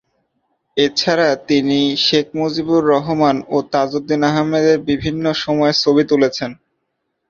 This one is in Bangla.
এছাড়া তিনি শেখ মুজিবুর রহমান ও তাজউদ্দীন আহমদের বিভিন্ন সময়ের ছবি তুলেছেন।